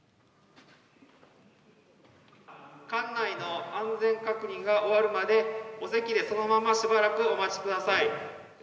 館内の安全確認が終わるまでお席でそのまましばらくお待ちください。